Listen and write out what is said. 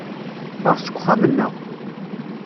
Ffeɣ seg uxxam-nneɣ.